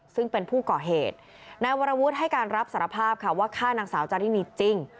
ซึ่งเป็นผู้ก่อเหตุนายวรวุฒิให้การรับสารภาพค่ะว่าฆ่านางสาวจารินีจริง